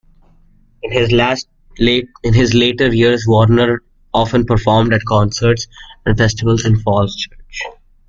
In his later years, Warner often performed at concerts and festivals in Falls Church.